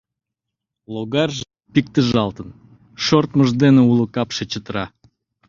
Логарже пиктежалтын, шортмыж дене уло капше чытыра.